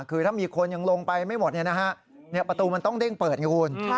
คือถ้ามีคนยังลงไปไม่หมดประตูมันต้องเด้งเปิดไงคุณ